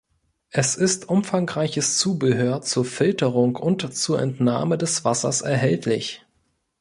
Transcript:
Es ist umfangreiches Zubehör zur Filterung und zur Entnahme des Wassers erhältlich.